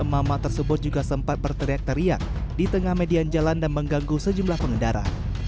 mama tersebut juga sempat berteriak teriak di tengah median jalan dan mengganggu sejumlah pengendara